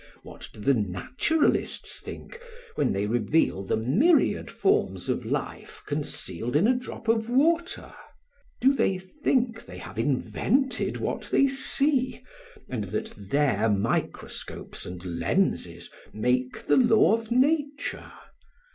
What do the naturalists think when they reveal the myriad forms of life concealed in a drop of water? Do they think they have invented what they see and that their microscopes and lenses make the law of nature?